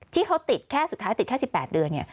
ที่เขาติดแค่สุดท้ายติดแค่๑๘เดือนเนี่ย